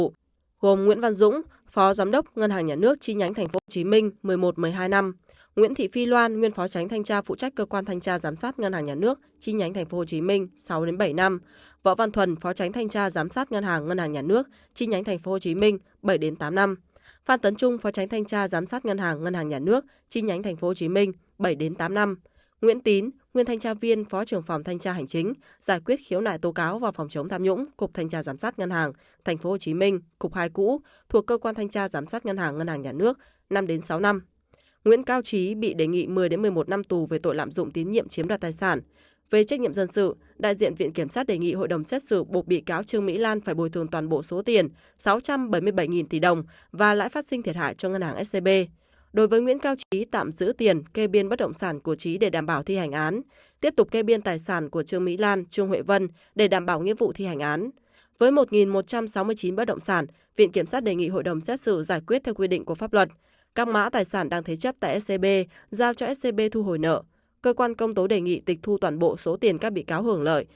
các bị cáo gồm nguyễn văn dũng phó giám đốc ngân hàng nhà nước chi nhánh tp hcm một mươi một một mươi hai năm nguyễn thị phi loan nguyên phó tránh thanh tra phụ trách cơ quan thanh tra giám sát ngân hàng nhà nước chi nhánh tp hcm sáu bảy năm võ văn thuần phó tránh thanh tra giám sát ngân hàng ngân hàng nhà nước chi nhánh tp hcm bảy tám năm phan tấn trung phó tránh thanh tra giám sát ngân hàng ngân hàng nhà nước chi nhánh tp hcm bảy tám năm nguyễn tín nguyên thanh tra viên phó trưởng phòng thanh tra hành chính giải quyết khiếu nại tù cáo và ph